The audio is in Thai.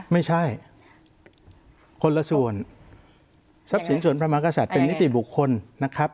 ไม่ใช่คนละส่วนทรัพย์สินส่วนพระมากษัตริย์เป็นนิติบุคคลนะครับ